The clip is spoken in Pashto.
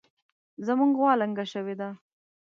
زمونږ غوا لنګه شوې ده